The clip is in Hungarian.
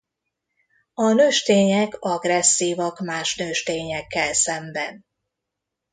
A nőstények agresszívak más nőstényekkel szemben.